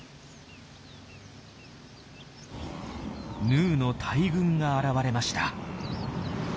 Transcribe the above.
ヌーの大群が現れました。